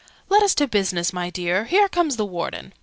"Let us to business, my dear. Here comes the Warden."